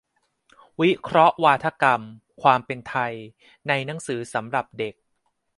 วิเคราะห์วาทกรรม "ความเป็นไทย" ในหนังสือสำหรับเด็ก